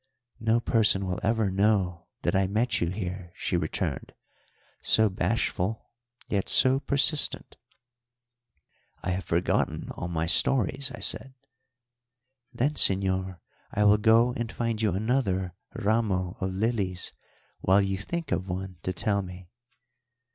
"No person will ever know that I met you here," she returned so bashful, yet so persistent. "I have forgotten all my stories," I said. "Then, señor, I will go and find you another ramo of lilies while you think of one to tell me."